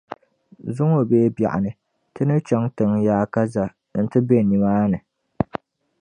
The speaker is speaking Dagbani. Zuŋɔ bee biɛɣuni ti ni chaŋ tiŋ’ yaakaza nti be nimaani.